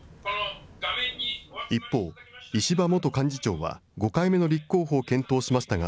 一方、石破元幹事長は、５回目の立候補を検討しましたが、